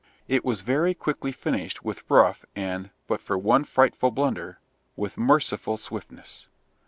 It was very quickly finished, with rough and, but for one frightful blunder, with merciful swiftness.